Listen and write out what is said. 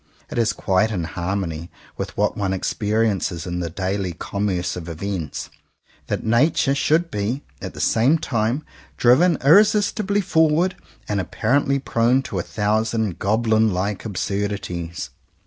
It is quite in harmony with what one experiences in the daily commerce of events, that nature should be, at the same time, driven ir resistibly forward, and apparently prone to a thousand goblin like absurdities.